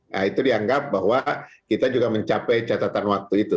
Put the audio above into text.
nah itu dianggap bahwa kita juga mencapai catatan waktu itu